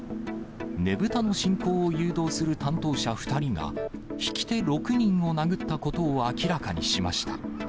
ねぶたの進行を誘導する担当者２人が、引き手６人を殴ったことを明らかにしました。